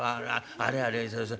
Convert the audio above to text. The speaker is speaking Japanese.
あれあれそうそう。